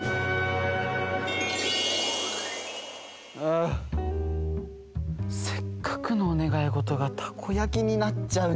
あせっかくのおねがいごとがたこやきになっちゃうなんて。